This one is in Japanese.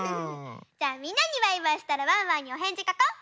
じゃあみんなにバイバイしたらワンワンにおへんじかこう。